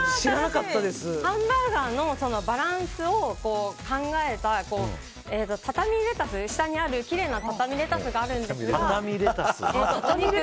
ハンバーガーのバランスを考えた下にある、きれいな畳みレタスがあるんですが。